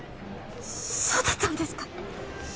そうだったんですか！？